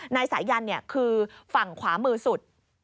นายสายันคือฝั่งขวามือสุด